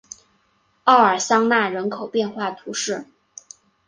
奥尔桑讷人口变化图示